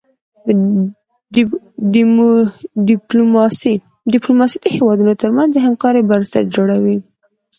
ډيپلوماسي د هیوادونو ترمنځ د همکاری بنسټ دی.